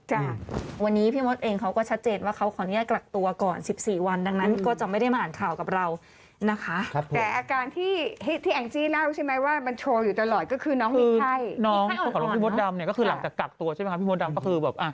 คือหลังจากกักตัวใช่ไหมครับพี่โมทดำก็คือแบบ